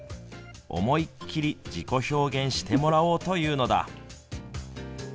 思いっ切り自己表現してもらおうというのだ。